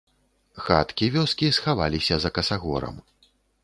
Хаткі вёскі схаваліся за касагорам.